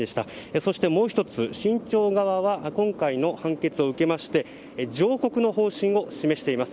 そしてもう１つ新潮社側は今回の判決を受けまして上告の方針を示しています。